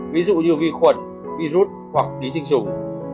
ví dụ như vi khuẩn virus hoặc ký sinh trùng